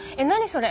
それ。